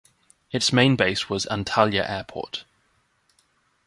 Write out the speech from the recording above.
Its main base was Antalya Airport.